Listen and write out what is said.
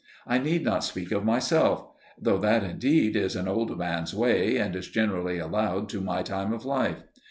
I need not speak of myself; though that indeed is an old man's way and is generally allowed to my time of life.